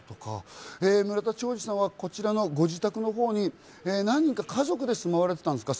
村田兆治さんはこちらのご自宅の方に何人か、ご家族で住まわれていたんですか？